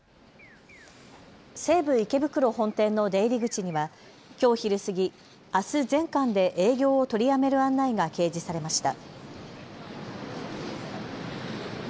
西武池袋本店の出入り口にはきょう昼過ぎ、あす全館で営業を取りやめる案内が掲示されました。